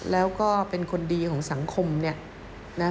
แล้วก็เป็นคนดีของสังคมเนี่ยนะ